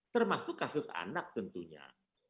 termasuk kasus anak tentunya